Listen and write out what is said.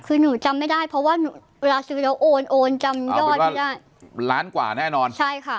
คือหนูจำไม่ได้เพราะว่าเวลาซื้อแล้วโอนโอนจำยอดไม่ได้ล้านกว่าแน่นอนใช่ค่ะ